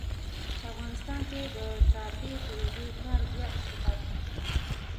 په افغانستان کې د ټاپي پروژې کار بیا افتتاح سو.